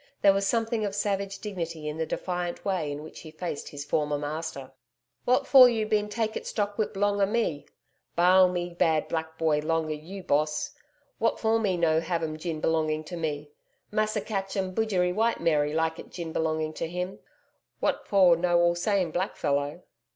There was something of savage dignity in the defiant way in which he faced his former master. 'What for you been take it stockwhip long a me? BA'AL me bad black boy long a you, Boss. What for me no have 'em gin belonging to me? Massa catch 'im bujeri White Mary like it gin belonging to him. What for no all same black fellow?'